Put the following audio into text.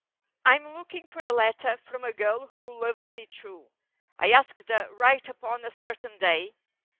Fm looking for a letter from a girl who loves me true. I asked her write upon a certain day.